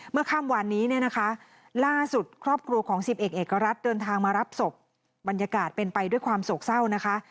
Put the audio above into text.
ข้ามวานนี้เนี่ยนะคะล่าสุดครอบครัวของสิบเอกเอกรัฐเดินทางมารับศพบรรยากาศเป็นไปด้วยความโศกเศร้านะคะ